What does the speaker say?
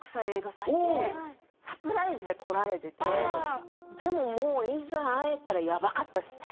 サプライズで来られててでももういざ会えたらやばかったっすね